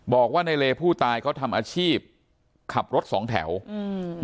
บอกว่าในเลผู้ตายเขาทำอาชีพขับรถสองแถวอืม